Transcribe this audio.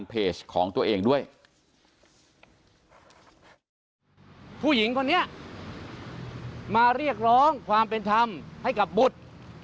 ผู้หญิงอันนี้มาเรียกร้องความเป็นธรรมให้กับบุฒิ์